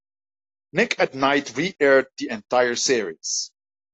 Nick at Nite reaired the entire series.